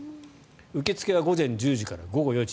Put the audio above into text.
受け付けは午前１０時から午後４時。